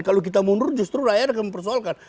kalau kita mundur justru rakyat akan mempersoalkan